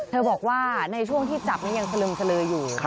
บอกว่าในช่วงที่จับยังสลึมสลืออยู่